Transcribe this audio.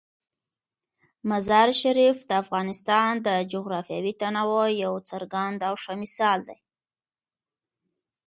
مزارشریف د افغانستان د جغرافیوي تنوع یو څرګند او ښه مثال دی.